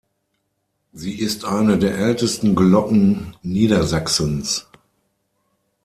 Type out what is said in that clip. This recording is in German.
Sie ist eine der ältesten Glocken Niedersachsens.